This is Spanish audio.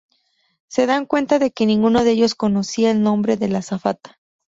Se dan cuenta de que ninguno de ellos conocía el nombre de la azafata.